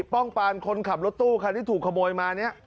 เป็นคนขับรถตู้คันที่ถูกโกหดมาเนี่ย